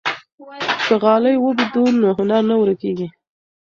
که غالۍ ووبدو نو هنر نه ورکيږي.